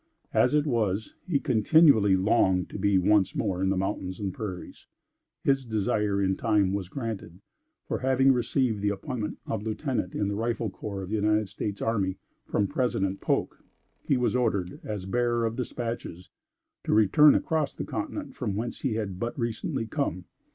As it was, he continually longed to be once more in the mountains and prairies. His desire, in time, was granted; for, having received the appointment of lieutenant in the rifle corps of the United States army from President Polk, he was ordered, as bearer of dispatches, to return across the continent from whence he had but recently come.